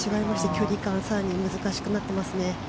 距離感はさらに難しくなっていますね。